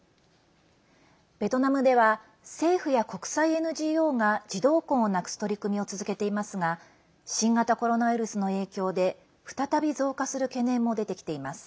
ベトナムでは政府や国際ＮＧＯが児童婚をなくす取り組みを続けていますが新型コロナウイルスの影響で再び増加する懸念も出てきています。